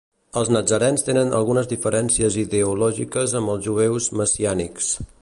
Els natzarens tenen algunes diferències ideològiques amb els jueus messiànics.